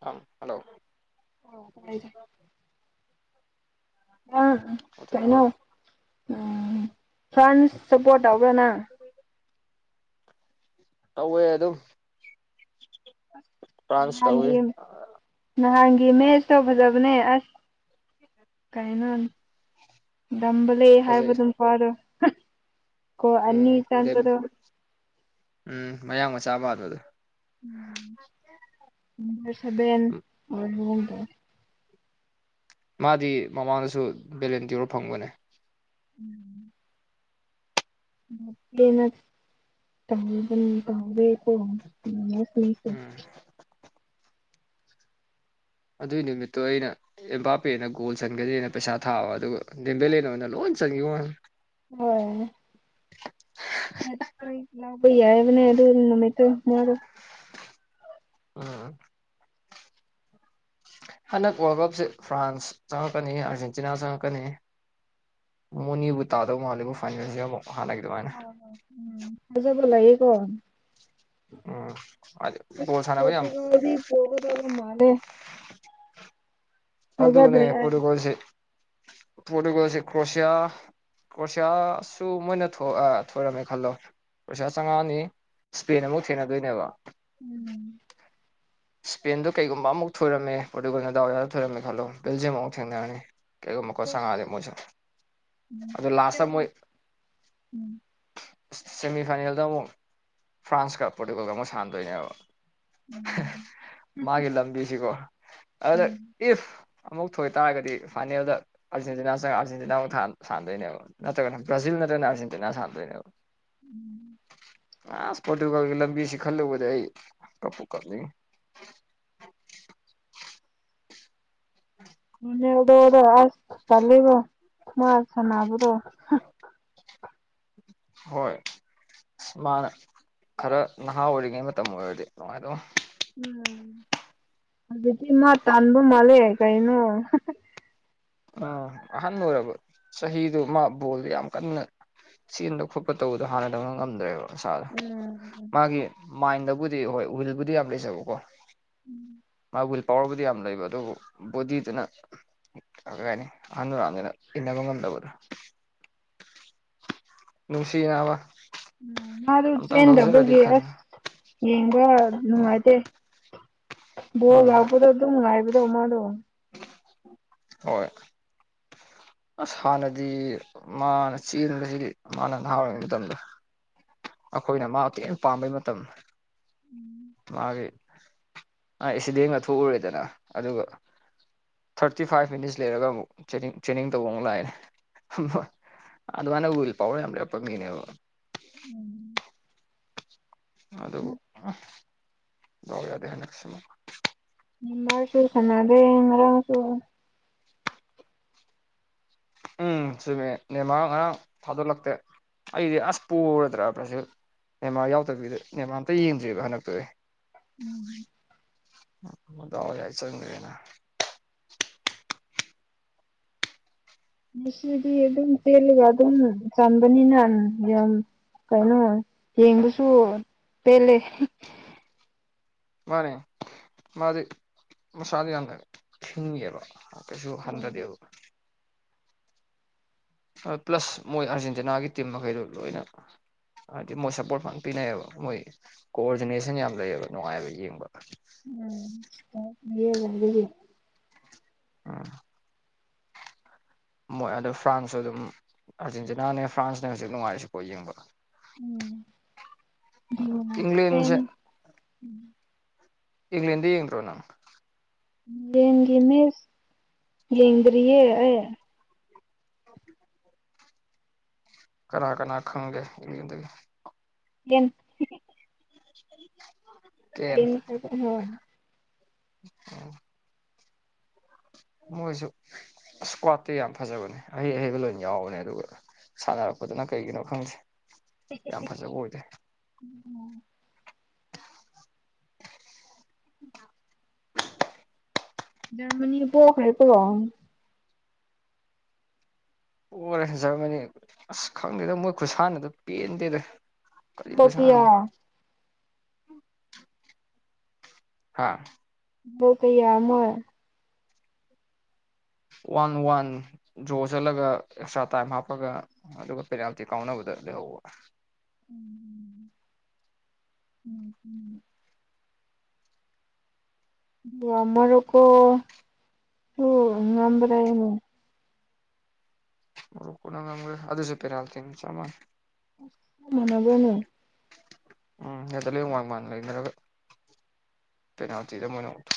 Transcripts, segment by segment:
ꯑ ꯍꯜꯂꯣ ꯑꯣ ꯇꯥꯏ ꯑ ꯑꯗꯨꯅ ꯍꯣꯏ ꯀꯥꯏꯅꯣ ꯎꯝ ꯐ꯭ꯔꯥꯟꯁ ꯁꯄꯣꯔꯠ ꯇꯧꯕ꯭ꯔꯥ ꯅꯪ ꯇꯧꯋꯦ ꯑꯗꯨꯝ ꯐ꯭ꯔꯥꯟꯁ ꯇꯧꯋꯤ ꯑꯗꯤ ꯅꯍꯥꯟꯒꯤ ꯃꯦꯁ ꯇꯧ ꯐꯖꯕꯅꯦ ꯑꯁ ꯀꯩꯅꯣ ꯅꯝꯕ ꯂꯩꯦ ꯍꯥꯏꯕ ꯐꯖꯩ ꯑꯗꯨꯝ ꯐꯥꯔꯣ ꯀꯣ ꯑꯅꯤ ꯎꯝ ꯏ ꯆꯥꯟ ꯗꯦꯝ ꯇꯗ ꯎꯝ ꯃꯌꯥꯝꯡ ꯃ ꯆꯥꯕꯗꯕꯗ ꯎꯝ ꯅꯝꯕꯔ ꯁꯚꯦꯟ ꯑꯣꯏ ꯍꯨꯝ ꯇꯧꯔꯦ ꯃꯥꯗꯤ ꯃꯃꯥꯅꯁꯨ ꯕꯦꯂꯦꯟ ꯇꯤꯔ ꯐꯪꯕꯅꯦ ꯎꯝ ꯇ ꯇꯥꯎꯦ ꯑꯣ ꯎꯝ ꯎꯝ ꯃꯤꯁꯦ ꯑꯗꯨꯏ ꯅꯨꯃꯤꯠꯇꯣ ꯑꯩꯅ ꯏꯝꯄꯥꯄꯦꯅ ꯒꯣꯜ ꯆꯟꯒꯅꯤꯅ ꯄꯩꯁꯥ ꯊꯥꯕ ꯑꯗꯨꯒ ꯦꯝꯕꯂꯅ ꯑꯣꯏꯅ ꯂꯣꯏ ꯆꯒꯤ ꯋꯥꯟ ꯍꯠꯇ ꯏ ꯂꯩ ꯌꯥꯏꯕꯅꯦ ꯑꯗꯨ ꯅꯥꯏꯇ ꯃꯥꯣ ꯑꯝ ꯍꯟꯗꯛ ꯋꯥꯔꯜ ꯀꯞꯁꯦ ꯐ꯭ꯔꯥꯟꯁ ꯆꯪꯉꯛꯀꯅꯤ ꯑꯥꯔꯖꯦꯟꯇꯤꯅꯥ ꯆꯪꯉꯛꯀꯅꯤ ꯃꯅꯤꯕꯨ ꯇꯗꯣ ꯃꯦꯕꯨ ꯐꯥꯏꯁꯤꯕꯣ ꯑ ꯎꯝ ꯃꯖꯥꯕꯂꯌꯦꯦ ꯀꯣꯟ ꯎꯝ ꯍꯥꯏꯗꯤ ꯑ ꯕꯣꯜ ꯁꯥꯟꯅꯕ ꯌꯥꯝ ꯄꯠꯇꯒꯗꯤ ꯄꯒꯗꯕ ꯃꯥꯅꯦ ꯑꯗꯨꯗꯅꯦ ꯊꯥꯖꯗ꯭ꯔꯦ ꯑꯩ ꯄꯣꯣꯔꯇꯨꯒꯜꯁꯤꯦ ꯄꯣꯔꯇꯨꯒꯜꯁꯤꯦ ꯀ꯭ꯔꯣꯁꯌꯥ ꯀ꯭ꯔꯣꯁꯤꯌꯥꯁꯨ ꯃꯣꯏꯅ ꯊꯣꯏꯔꯝꯃꯦ ꯈꯜꯂꯣ ꯀꯣꯁꯤꯌꯥ ꯆꯥꯝꯃꯉꯥꯅꯤ ꯁꯄꯦꯟ ꯑꯃꯨꯛ ꯊꯦꯡꯅꯗꯣꯏꯅꯦꯕ ꯎꯝ ꯏꯁꯄꯦꯟꯗꯣ ꯀꯩꯒꯨꯝꯕ ꯑꯃꯨꯛ ꯊꯣꯏꯔꯝꯃꯦ ꯄꯣꯔꯇꯨꯒꯜ ꯗꯥꯏ ꯌꯥꯗ ꯊꯣꯏꯔꯝꯃꯦ ꯈꯜꯂꯣ ꯕꯦꯜꯖꯤꯌꯝ ꯑꯃꯨꯛ ꯊꯦꯡꯅꯔꯅꯤ ꯀꯩꯒꯨꯝꯕꯀꯣꯠ ꯁꯪꯉꯛꯑꯗꯦ ꯎꯝ ꯃꯣꯏꯁ ꯑꯗꯨꯗ ꯂꯥꯁꯇ ꯃꯣꯏ ꯎꯝ ꯁꯦꯃꯤꯐꯥꯏꯅꯦꯜꯗ ꯑꯃꯨꯛ ꯐ꯭ꯔꯥꯟꯁꯀ ꯄꯣꯔꯇꯨꯒꯜꯒ ꯑꯃꯨꯛ ꯁꯥꯟꯅꯗꯣꯏꯅꯦꯕ ꯃꯥꯒꯤ ꯂꯝꯕꯤꯁꯤꯀꯣ ꯑꯗ ꯏꯐ ꯑꯃꯨꯛ ꯊꯣꯏ ꯇꯥꯔꯒꯗꯤ ꯐꯥꯏꯅꯦꯜꯗ ꯑꯥꯔꯖꯦꯟꯇꯤꯅꯥ ꯆꯪ ꯑꯥꯔꯖꯦꯟꯇꯤꯅꯥꯨꯛ ꯁꯥꯟꯗꯣꯏꯅꯦꯕ ꯅꯠꯇ꯭ꯔꯒꯅ ꯕ꯭ꯔꯥꯖꯤꯜꯅ ꯅꯥ ꯁꯥꯝꯗ ꯎꯝ ꯑ ꯏꯁꯄꯇ ꯂꯕꯤꯁꯤ ꯈꯜꯂꯕꯖꯏ ꯀꯄꯨ [inaudible] ꯃꯅꯦꯗꯗ ꯑꯁ ꯀꯂ ꯃꯔ ꯁꯅꯥꯕ꯭ꯔꯣ ꯍꯣꯏ ꯑꯁ ꯃꯥꯅ ꯈꯔ ꯅꯍꯥ ꯑꯣꯏꯔꯤꯉꯩ ꯃꯇꯝ ꯑꯣꯏꯔꯗꯤ ꯅꯨꯡꯉꯥꯏꯗ ꯎꯝ ꯍꯧꯖꯤꯛꯇꯤ ꯃꯥ ꯇꯥꯟꯕ ꯃꯥꯜꯂꯦ ꯀꯩꯅꯣ ꯎꯝ ꯑꯍꯟ ꯑꯣꯏꯔꯕ ꯆꯍꯤꯗꯨ ꯃꯥ ꯕꯣꯜꯗ ꯌꯥꯝ ꯀꯟꯅ ꯆꯦꯟꯕ ꯈꯣꯠꯄ ꯇꯧꯕꯗꯣ ꯍꯥꯟꯅꯗꯧꯅ ꯉꯝꯗ꯭ꯔꯦꯕ ꯁꯥꯗ ꯎꯝ ꯃꯥꯒꯤ ꯃꯥꯏꯟꯗꯕꯨꯗꯤ ꯍꯣꯏ ꯋꯤꯜꯕꯨꯗꯤ ꯌꯥꯝ ꯂꯩꯖꯕꯀꯣ ꯎꯝ ꯃꯥ ꯋꯤꯜ ꯄꯋꯥꯔꯕꯨꯗꯤ ꯌꯥꯝ ꯂꯩꯕ ꯑꯗꯨꯕꯨ ꯕꯣꯗꯤꯗꯨꯅ ꯑꯅꯤ ꯑꯅꯅꯤꯅ ꯏꯟꯅ ꯃꯉꯗꯗ ꯅꯨꯡꯁꯤꯅꯥꯕ ꯎꯝ ꯃꯥꯗꯨ ꯆꯦꯟꯗꯕꯒꯤ ꯑꯁ ꯌꯦꯡꯕ ꯎꯝ ꯅꯨꯡꯉꯥꯏꯇꯦ ꯣꯜ ꯎꯝ ꯍꯕꯗ ꯑꯗꯨꯥꯏꯕꯗ ꯃꯥꯣ ꯍꯣꯏ [inaudible] ꯑꯁ ꯍꯥꯟꯅꯗꯤ ꯃꯥꯅ ꯆꯦꯟꯕꯁꯤ ꯃꯥꯅ ꯅꯍꯥ ꯑꯣꯏꯔꯤꯉꯩ ꯃꯇꯝꯗ ꯑꯩꯈꯣꯏꯅ ꯃꯥꯇꯦꯛ ꯄꯥꯝꯕꯩ ꯃꯇꯝ ꯃꯥꯒꯤ ꯑꯦꯛꯁꯤꯗꯦꯟꯒ ꯊꯣꯛꯎꯔꯦꯗꯅ ꯑꯗꯨꯒ ꯊꯥꯔꯇꯤ ꯐꯥꯏꯚ ꯃꯤꯅꯤꯠꯁ ꯂꯩꯔꯒ ꯑꯃꯨꯛꯅꯤꯡ ꯇ꯭ꯔꯦꯅꯤꯡ ꯇꯧꯕ ꯑꯃꯨꯛ ꯂꯥꯛꯑꯦ ꯑꯗ ꯃꯥꯅꯦ ꯍ ꯄꯥꯎꯦ ꯌꯥꯝꯄꯥ ꯃꯅꯦ ꯎꯝ ꯑꯗꯨꯕꯨ ꯌꯥꯎ ꯌꯥꯗꯦ ꯍꯟꯗꯛꯁꯤꯃ ꯃꯔꯔꯁꯨꯨꯔ ꯁꯅꯥꯗꯦ ꯃꯔꯔꯁꯨ ꯎꯝ ꯆꯨꯝꯃꯦꯅꯦ ꯃꯔꯥꯡ ꯉꯔꯥꯡ ꯊꯥꯗꯣꯛꯂꯛꯇꯦ ꯑꯩꯗꯤ ꯑꯁꯄꯣꯔꯔꯗ꯭ꯔꯕ꯭ꯔꯁꯨ ꯅꯦꯃꯥꯔ ꯌꯥꯎꯗꯕꯤꯗ ꯅꯦꯃꯥꯔꯝꯇ ꯌꯦꯡꯗ꯭ꯔꯤꯑꯕ ꯍꯟꯗꯛꯇꯨ ꯑꯩ ꯎꯝ ꯃ ꯑꯋꯥ ꯌꯥ ꯆꯅ ꯁꯤꯗꯤ ꯑꯗꯨꯝ ꯆꯦꯜꯂꯒ ꯑꯗꯨꯝ ꯆꯝꯕꯅꯤꯅ ꯌꯥꯝ ꯀꯩꯅꯣ ꯌꯦꯡꯕꯁꯨ ꯄꯦꯜꯂꯦ ꯃꯥꯅꯦ ꯃꯥꯗꯤ ꯃꯁꯥ ꯌꯥꯝꯗ ꯊꯈꯤꯕ ꯀꯩꯁꯨ ꯑꯣ ꯍꯟꯗꯗꯦꯕ ꯄ꯭ꯂꯁ ꯃꯣꯏ ꯑꯥꯔꯖꯦꯟꯇꯤꯅꯥꯒꯤ ꯇꯤꯝ ꯃꯈꯩꯗꯨ ꯂꯣꯏꯅ ꯍꯥꯏꯗꯤ ꯃꯣꯏ ꯁꯞꯄꯣꯔꯠ ꯐ ꯄꯤꯅꯩꯑꯕ ꯃꯣꯏ ꯀꯣꯑꯣꯔꯗꯤꯅꯦꯁꯟ ꯌꯥꯝ ꯂꯩꯌꯦꯕ ꯅꯨꯡꯉꯥꯏꯕ ꯌꯦꯡꯕ ꯎꯝ ꯌꯦ ꯂ ꯎꯝ ꯃꯣꯏ ꯑꯗꯨꯗ ꯐ꯭ꯔꯥꯟꯁꯁꯨ ꯑꯗꯨꯝ ꯑꯥꯔꯖꯦꯟꯇꯤꯅꯥꯅꯦ ꯐ꯭ꯔꯥꯟꯁꯅꯦ ꯍꯧꯖꯤꯛ ꯅꯨꯡꯉꯥꯏꯔꯤꯁꯤꯀꯣ ꯌꯦꯡꯕ ꯏꯪꯂꯦꯟꯁꯦ ꯎꯝ ꯏꯗꯤ ꯌꯦꯡ꯭ꯔꯣ ꯅꯪ ꯌꯦꯡꯒꯤ ꯃꯤ ꯌꯦꯡꯗꯔꯤꯌꯦꯦ ꯑꯦ ꯀꯅꯥ ꯀꯅꯥ ꯈꯪꯒꯦꯗꯒꯤ ꯌꯦꯟ [inaudible] [inaudible] ꯑꯝ ꯃꯣꯏꯁꯨ ꯏꯁꯀ꯭ꯋꯥꯠꯇꯤ ꯌꯥꯝ ꯐꯖꯕꯅꯦ ꯑꯍꯩ ꯑꯍꯩꯕ ꯂꯣꯏ ꯌꯥꯎꯕꯅꯦ ꯑꯗꯨꯒ ꯁꯥꯟꯅꯔꯛꯄꯗꯨꯅ ꯀꯩꯒꯤꯅꯣ ꯈꯪꯗꯦ ꯌꯥꯝ ꯐꯖꯕ ꯑꯣꯏꯗ꯭ꯔꯦ ꯎꯝ [inaudible] ꯖꯔꯃꯅꯤ ꯄꯣꯛꯈ꯭ꯔꯦ ꯀꯣ ꯑꯣꯔꯦ ꯖꯔꯃꯅꯤ ꯑꯁ ꯈꯪꯗꯦꯗ ꯃꯣꯏ ꯈꯨꯠꯁꯥꯟꯅꯗ ꯄꯦꯟꯗꯦꯗ ꯀꯤꯌꯥ ꯍꯥꯥ ꯍꯧ ꯀꯩ ꯑꯃ ꯋꯥꯟ ꯋꯥꯟ ꯗ꯭ꯔꯣ ꯆꯠꯂꯒ ꯑꯦꯛꯁꯇ꯭ꯔꯥ ꯇꯥꯏꯝ ꯍꯥꯞꯄꯒ ꯑꯗꯨꯒ ꯄꯦꯅꯥꯜꯇꯤ ꯀꯥꯎꯅꯕꯗ ꯂꯦꯍꯣꯜ ꯎꯝ ꯎꯝ ꯎꯝ ꯑꯔ ꯀꯣ ꯉꯝꯕ꯭ꯔꯅ ꯑꯗꯨꯁꯨ ꯄꯦꯔ ꯊ ꯆꯃ ꯃꯅꯕꯅ ꯎꯝ ꯍꯗ ꯂꯩ ꯃꯥ ꯃꯥ ꯂꯩ ꯄꯅꯇꯗ ꯃꯅ ꯎꯊ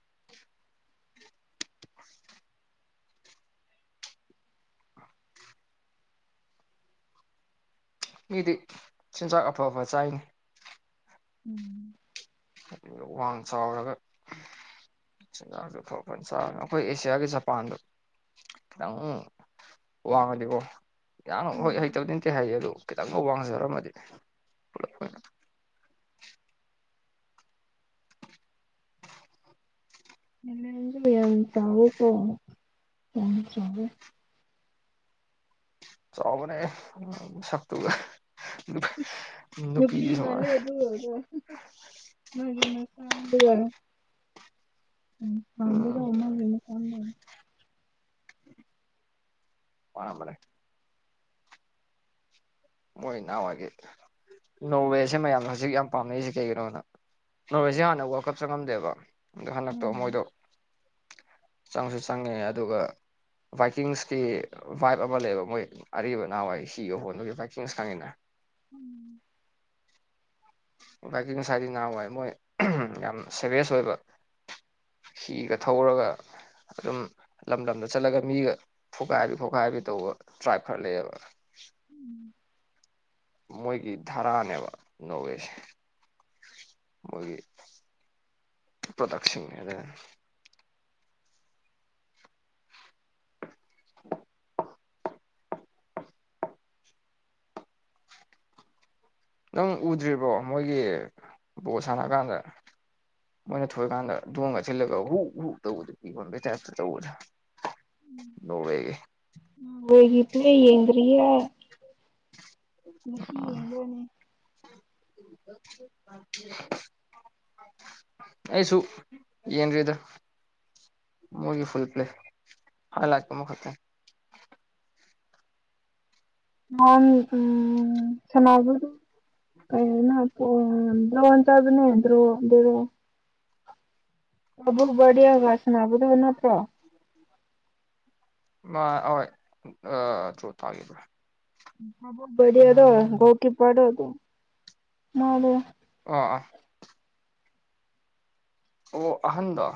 [inaudible] [unintelligible] ꯃꯤꯗꯤ ꯆꯤꯟꯖꯥꯛ ꯑꯐ ꯑꯐ ꯆꯥꯏꯅꯤ ꯎꯝ ꯋꯥꯡ ꯆꯥꯎꯔꯒ ꯆꯤꯟꯖꯥꯛ ꯐ ꯆꯥ ꯑꯩꯈꯣꯏ ꯑꯦꯁꯤꯌꯥꯒꯤ ꯖꯄꯥꯟꯗ ꯈꯤꯇꯪ ꯋꯥꯡꯉꯗꯤꯀꯣ ꯌꯥꯝꯅ ꯍꯣꯏ ꯎꯝ ꯍꯩꯇꯕꯗꯤ ꯅꯠꯇꯦ ꯍꯥꯏꯌꯦ ꯑꯗꯨꯗꯣ ꯈꯤꯇꯪꯒ ꯋꯥꯡꯖꯔꯝꯃꯗꯤ ꯄꯨꯂꯞ ꯑꯣꯏꯅ ꯆꯎ ꯀꯣ ꯆꯕꯦ ꯆꯥꯎꯣꯕꯅꯦ ꯁ ꯇꯣꯒ ꯎꯄꯤ ꯃꯂꯦ ꯑꯗꯨ ꯃꯥꯦ ꯃꯁꯥꯟꯒ ꯎꯝ ꯃꯕꯨꯗ ꯎꯝ ꯑꯣꯃ ꯂꯩꯜ ꯆꯗꯅꯤ ꯋꯥꯔꯝꯕꯂꯦ ꯃꯣꯏ ꯏꯅꯥꯍꯎꯋꯥꯏꯒꯤ ꯅꯣꯕꯦꯜꯁꯦ ꯃꯌꯥꯝꯅ ꯍꯧꯖꯤꯛ ꯌꯥꯝ ꯄꯥꯝꯅꯔꯤꯁꯦ ꯀꯩꯒꯤꯅꯣꯗ ꯅꯣꯔꯣꯏꯁꯦ ꯍꯥꯟꯅ ꯋꯥꯔꯜ ꯀꯞ ꯆꯪꯉꯝꯗꯦꯕ ꯑꯗꯣ ꯍꯟꯗꯛꯇꯣ ꯑꯣ ꯃꯣꯏꯗꯣ ꯆꯪꯁꯨ ꯆꯪꯉꯦ ꯑꯗꯨꯒ ꯕꯥꯏꯛꯀꯤꯡꯁꯇ ꯚꯥꯏꯞ ꯑꯃ ꯂꯩꯕ ꯃꯣꯏ ꯑꯔꯤꯕ ꯅꯍꯥꯟꯋꯥꯏ ꯁꯤꯒ ꯍꯣꯟꯗꯨꯒꯤ ꯚ ꯁꯉꯗ [inaudible] ꯕꯥꯏꯛꯀꯤꯡ ꯁꯋꯥꯏꯗꯤ ꯍꯋꯥꯏ ꯃꯣꯏ ꯌꯥꯝ ꯁꯦꯚꯁ ꯑꯣꯏꯕ ꯍꯤꯒ ꯊꯧꯔꯒ ꯑꯗꯨꯝ ꯂꯝ ꯂꯝꯗ ꯆꯠꯂꯒ ꯃꯤꯒ ꯐꯨꯒꯥꯏꯕꯤ ꯐꯨꯒꯥꯏꯕꯤ ꯇꯧꯕ ꯇ꯭ꯔꯥꯏꯞ ꯈꯔ ꯂꯩꯑꯕ ꯎꯝ ꯃꯣꯏꯒꯤ ꯙꯔꯥꯅꯦꯕ ꯅꯣꯋꯦꯁꯦ ꯃꯣꯏꯒꯤ ꯄ꯭ꯔꯗꯁꯤꯟꯅꯦꯔꯦ [inaudible] ꯅꯪ ꯎꯗ꯭ꯔꯤꯕꯣ ꯃꯣꯏꯒꯤ ꯕꯣꯜ ꯁꯥꯟꯅ ꯀꯥꯟꯗ ꯃꯣꯏꯅ ꯊꯣꯏꯑꯀꯥꯟꯗ ꯊꯣꯡꯉꯒ ꯊꯤꯜꯂꯒ ꯍꯨꯛ ꯍꯨꯛ ꯇꯧꯕꯗ ꯐꯤ ꯌꯣꯟꯕꯩ ꯇꯥꯏꯞꯇ ꯇꯧꯕꯗ ꯣꯡꯕꯩꯒꯤ ꯅ ꯌꯦꯗꯔꯤ ꯍꯥꯏ [inaudible] ꯃꯁꯍꯤꯅꯦ [inaudible] ꯑꯩꯁꯨ ꯌꯦꯟꯔꯤꯗ ꯃꯨꯒꯤ ꯐꯨꯜ ꯄ꯭ꯂꯦ ꯍꯂꯀ ꯃꯈ ꯈ ꯎꯝ ꯁꯅꯥꯕ ꯀ ꯑꯣ ꯗ꯭ꯔꯣꯟ ꯆꯕꯅꯦ ꯭ꯔꯣ ꯑꯗꯨ ꯑꯕꯕꯨ ꯒ ꯁꯅꯥꯕ ꯊꯅ ꯍꯥꯠꯇ꯭ꯔꯣ ꯃꯥ ꯍꯣꯏ ꯑ꯭ꯔ ꯊꯥꯗ꯭ꯔ ꯗꯤꯗꯣ ꯥꯎꯀꯤ ꯄꯔ ꯑꯗꯨ ꯃꯥꯕꯨ ꯑ ꯑ ꯑꯣ ꯑꯍꯟꯗ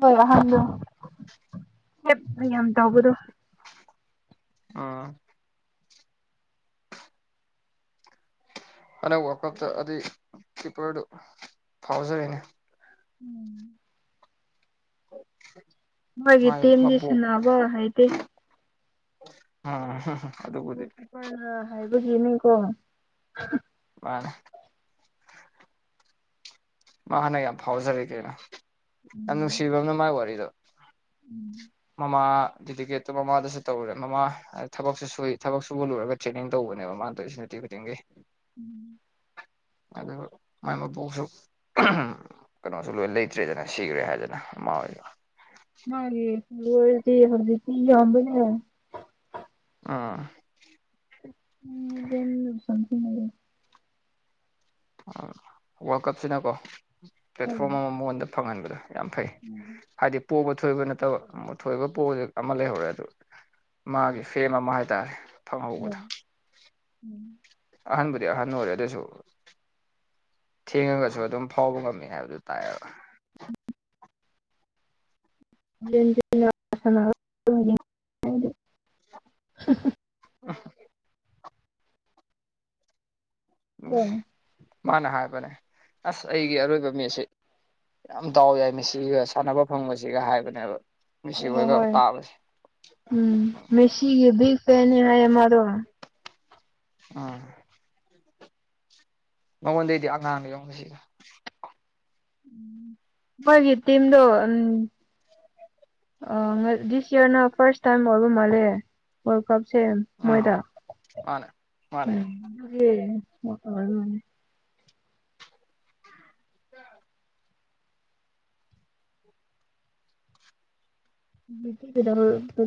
ꯍ ꯍꯣꯏ ꯑꯍꯥꯟꯕꯦ ꯌꯥꯝ ꯇꯧꯕꯗꯣ ꯑꯥ ꯑꯗꯛ ꯋꯥꯔꯜ ꯀꯞꯇ ꯑꯗꯨ ꯀꯤꯞꯄꯔꯗꯨ ꯐꯥꯎꯖꯔꯤꯅꯦ ꯎꯝ ꯃꯣꯏꯒꯤ ꯃꯥꯏ ꯇꯦꯝꯗꯤ ꯁꯅꯥꯅꯕ ꯍꯥꯏꯗꯤꯦ ꯑ ꯃꯄꯥꯅ ꯍꯥꯏꯕꯒꯤꯅꯦꯀꯣ ꯃꯥ ꯃꯥ ꯍꯥꯟꯅ ꯌꯥꯝ ꯐꯥꯎꯖꯔ ꯀꯦꯩꯅꯣ ꯌꯥꯝ ꯎꯝ ꯅꯨꯡꯁꯤꯕ ꯑꯃꯅ ꯃꯥꯥꯏ ꯋꯥꯔꯤꯗꯣ ꯎꯝ ꯃꯃ ꯗꯤꯀꯦꯠꯇꯣ ꯃꯃꯥꯗꯁꯨ ꯇꯧꯔꯨꯔꯦ ꯃꯃꯥ ꯊꯕꯛꯁꯨ ꯁꯨ ꯊꯕꯛ ꯁꯨꯕ ꯂꯨꯔꯒ ꯇ꯭ꯔꯦꯅꯤꯡ ꯇꯧꯕꯅꯦꯕ ꯃꯥꯅꯗꯣꯏꯁꯤ [unintelligible] ꯎꯝ ꯑꯗꯨꯗ ꯃ ꯄꯣ ꯁ ꯀꯩꯅꯣꯁꯨ ꯂꯣꯏ ꯂꯩꯇ꯭ꯔꯦꯗꯅ ꯁꯤꯈ꯭ꯔꯦ ꯍꯥꯏꯗꯅ ꯃꯃꯥ ꯍꯣꯏꯗ ꯃꯥꯒꯤ ꯊ ꯍꯔꯗꯤ ꯁꯝꯕꯅꯦ ꯑꯥ ꯎꯝ ꯀ ꯁꯊꯤꯅꯦꯦ ꯋꯥꯔꯜ ꯀꯞꯁꯤꯅꯀꯣ ꯍꯣꯏ ꯄ꯭ꯂꯦꯠꯐꯣꯔꯝ ꯑꯃ ꯃꯉꯣꯟꯗ ꯐꯪꯍꯟꯕꯗꯣ ꯌꯥꯝ ꯐꯩ ꯎꯝ ꯍꯥꯏꯗꯤ ꯄꯣꯕ ꯑꯊꯣꯏꯕ ꯅꯠꯇꯕꯊꯣꯏꯕ ꯄꯣꯁꯦꯛ ꯑꯃ ꯂꯩꯍꯧꯔꯦ ꯑꯗꯨ ꯃꯥꯒꯤ ꯐꯦꯝ ꯑꯃ ꯍꯥꯏꯇꯥꯔꯦ ꯊꯝꯍꯧꯕꯗ ꯎꯝ ꯑꯍꯥꯟꯕꯕꯨꯗꯤ ꯑꯍꯟ ꯑꯣꯏꯔꯦ ꯑꯗꯨꯑꯣꯏꯁꯨ ꯊꯦꯡꯉꯒꯁꯨ ꯑꯗꯨꯝ ꯐꯥꯎꯕ ꯉꯝꯃꯤ ꯍꯥꯏꯕꯗꯨ ꯇꯥꯏꯑꯕ [unintelligible] ꯑ ꯎ ꯃꯥꯅ ꯍꯥꯏꯕꯅꯦ ꯑꯁ ꯑꯩꯒꯤ ꯑꯔꯣꯏꯕ ꯃꯤꯁꯤ ꯌꯥꯝ ꯇꯗꯥꯎ ꯌꯥꯏ ꯃꯤꯦꯁꯤꯒ ꯁꯥꯟꯅꯕ ꯐꯪꯕꯁꯤꯒ ꯍꯥꯏꯕꯅꯦꯕ ꯑꯣ ꯃꯤꯁꯤꯈꯣꯏꯒ ꯍꯣꯏ ꯇꯥꯕꯁꯦ ꯎꯝ ꯃꯦꯁꯤꯒꯤ ꯤ ꯐꯦꯅꯦ ꯍꯥꯏꯌꯦ ꯃꯣ ꯑꯥ ꯃꯉꯣꯟꯗꯩꯗꯤ ꯅꯍꯥꯟꯅ ꯌꯡꯁꯤꯒ ꯎꯝ ꯑꯩꯈꯣꯏꯒꯤ ꯇꯤꯝꯗꯣ ꯎꯝ ꯑ ꯗꯤꯁ ꯏꯔ ꯅ ꯐꯁ ꯇꯥꯏꯝ ꯑꯣꯏꯕ ꯃꯦ ꯀꯞꯁꯦ ꯎꯝ ꯃꯣꯏꯗ ꯃꯥꯅꯦ ꯃꯥꯅꯦ ꯎꯝ ꯑꯗꯨꯒꯤ ꯃ ꯑꯗꯨꯅꯤ ꯐꯗ ꯐꯔ